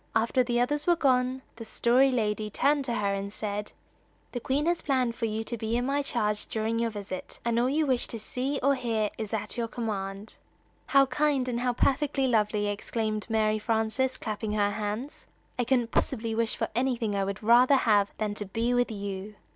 After the others were gone, the Story Lady turned to her and said: "The Queen has planned for you to be in my charge during your visit, and all you wish to see or hear is at your command." "How kind, and how perfectly lovely!" exclaimed Mary Frances, clapping her hands. "I couldn't possibly wish for anything I would rather have than to be with you!"